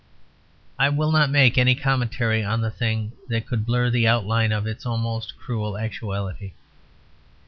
I will not make any commentary on the thing that could blur the outline of its almost cruel actuality.